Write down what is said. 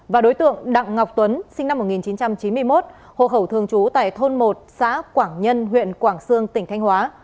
và đối tượng đặng ngọc tuấn sinh năm một nghìn chín trăm chín mươi một hộ khẩu thường trú tại thôn một xã quảng nhân huyện quảng sương tỉnh thanh hóa